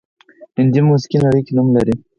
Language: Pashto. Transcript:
هندي موسیقي نړۍ کې نوم لري